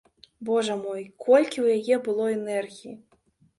Божа мой, колькі ў яе было энергіі!